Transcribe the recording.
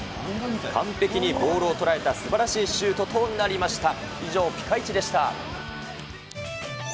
完璧にボールを捉えたすばらしいシュートとなりました。